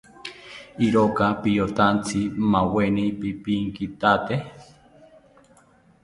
Iroka piyotantzi, maweni pipinkithate